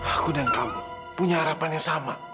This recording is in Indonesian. aku dan kamu punya harapan yang sama